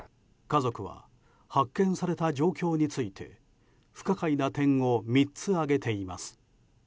家族は発見された状況について不可解な点を３つ挙げています。